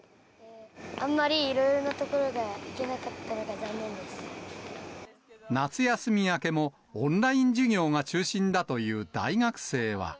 あんまりいろいろな所へ行け夏休み明けも、オンライン授業が中心だという大学生は。